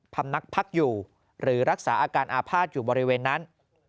ำนักพักอยู่หรือรักษาอาการอาภาษณ์อยู่บริเวณนั้น